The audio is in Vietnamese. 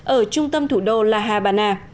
ở trung tâm thủ đô la habana